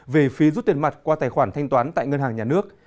về phí rút tiền mặt qua tài khoản thanh toán tại ngân hàng nhà nước